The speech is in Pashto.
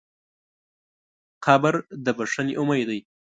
قبر د بښنې امید دی.